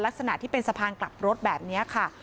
ลักษณะที่เป็นสะพานกลับรถแบบนี้ค่ะ